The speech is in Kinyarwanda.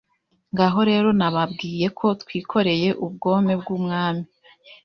Ngaho rero nababwiye ko twikoreye ubwome bw' umwami